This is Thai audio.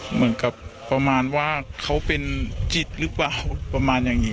เหมือนกับประมาณว่าเขาเป็นจิตหรือเปล่าประมาณอย่างนี้